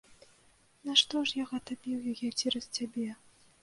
Нашто ж я гэта біў яе цераз цябе!